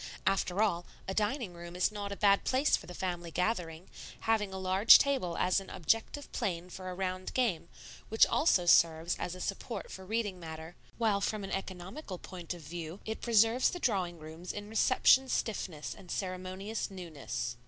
After all, a dining room is not a bad place for the family gathering, having a large table as an objective plane for a round game, which also serves as a support for reading matter; while from an economical point of view it preserves the drawing rooms in reception stiffness and ceremonious newness.